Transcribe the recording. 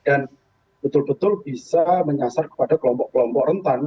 dan betul betul bisa menyasar kepada kelompok kelompok rentan